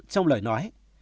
trong lời nói